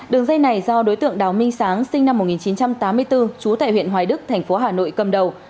đường dây này do đối tượng đào minh sáng sinh năm một nghìn chín trăm tám mươi bốn chú tại huyện hoài đức tp hà nội cầm đầu